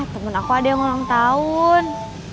temen aku ada yang ulang tahun